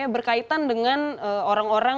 berkaitan dengan orang orang